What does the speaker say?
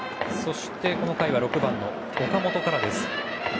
この回は６番の岡本からです。